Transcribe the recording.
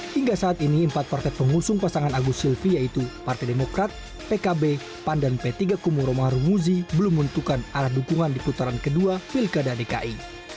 hingga saat ini empat partai pengusung pasangan agus silvi yaitu partai demokrat pkb pan dan p tiga kumuh romah rumuzi belum menentukan arah dukungan di putaran kedua pilkada dki